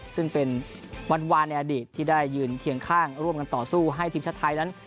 ซึ่งเป็นวันในอดีตที่ได้ยืนเคียงข้างร่วมกันต่อสู้ให้ทีมชาติไทยนั้น